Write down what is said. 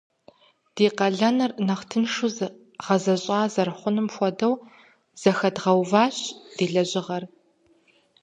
Ди къалэныр нэхъ тыншу гъэзэщӏа зэрыхъуным хуэдэу зэхэдгъэуващ ди лэжьыгъэр.